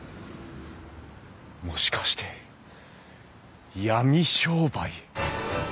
もしかして闇商売。